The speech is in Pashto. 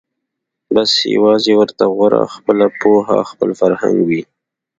بس یوازي ورته غوره خپله پوهه خپل فرهنګ وي